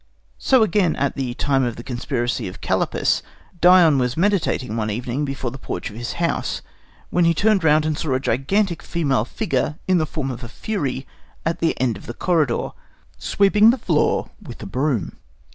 So, again, at the time of the conspiracy of Callippus, Dion was meditating one evening before the porch of his house, when he turned round and saw a gigantic female figure, in the form of a Fury, at the end of the corridor, sweeping the floor with a broom.